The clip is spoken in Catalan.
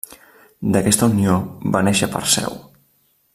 D'aquesta unió va néixer Perseu.